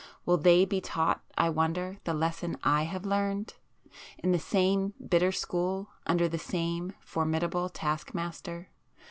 Will they be taught, I wonder, the lesson I have learned? In the same bitter school, under the same formidable taskmaster?